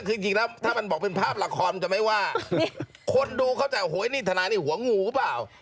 ก็ใช่ถ้ามันบอกเป็นภาพละครมันจะไม่ว่าคนดูเข้าใจว่าโหยนี่ธนาหัวงูหรือเปล่า